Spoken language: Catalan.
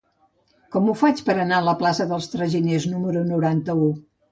Com ho faig per anar a la plaça dels Traginers número noranta-u?